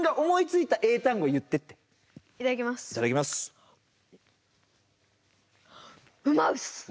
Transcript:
いただきます。